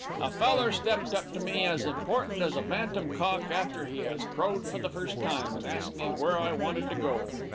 A feller stepped up to me as important as a bantam cock after he has crowed for the first time, and asked me where I wanted to go.